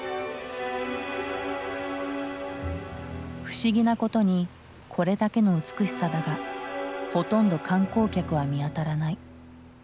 不思議なことにこれだけの美しさだがほとんど観光客は見当たらない。